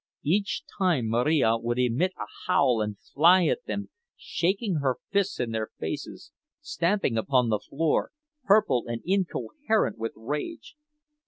Each time, Marija would emit a howl and fly at them, shaking her fists in their faces, stamping upon the floor, purple and incoherent with rage.